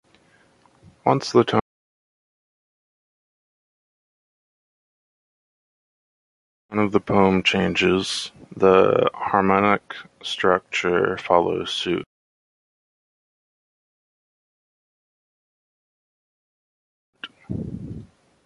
Once the tone of the poem changes, the harmonic structure follows suit.